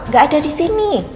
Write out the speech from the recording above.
nggak ada di sini